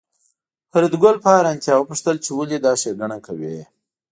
فریدګل په حیرانتیا وپوښتل چې ولې دا ښېګڼه کوې